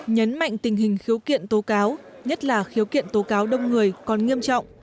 nhấn mạnh tình hình khiếu kiện tố cáo nhất là khiếu kiện tố cáo đông người còn nghiêm trọng